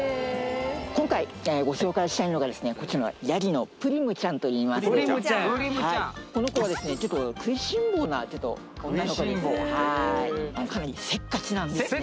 今回ご紹介したいのがですねこちらのこの子はですねちょっと食いしん坊な女の子ですかなりせっかちなんですね